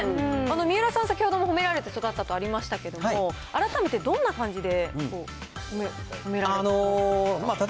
三浦さん、先ほども褒められて育ったとありましたけれども、改めてどんな感じで褒められて？